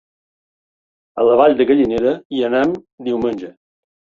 A la Vall de Gallinera hi anem diumenge.